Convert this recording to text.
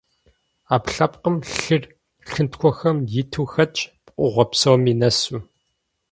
Ӏэпкълъэпкъым лъыр лъынтхуэхэм иту хэтщ, пкъыгъуэ псоми нэсу.